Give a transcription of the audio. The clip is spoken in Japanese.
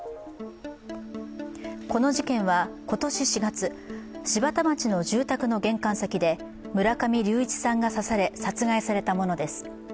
この事件は今年４月、柴田町の住宅の玄関先で村上隆一さんが刺され、殺害されたものです。